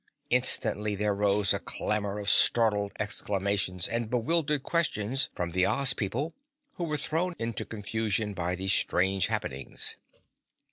Instantly there rose a clamor of startled exclamations and bewildered questions from the Oz people who were thrown into confusion by these strange happenings.